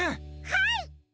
はい！